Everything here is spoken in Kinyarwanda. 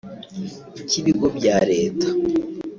icy’ibigo bya Leta